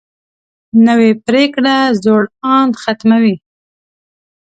نوې پریکړه زوړ اند ختموي